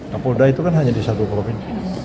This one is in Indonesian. kapolda itu kan hanya di satu provinsi